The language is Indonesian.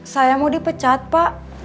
saya mau dipecat pak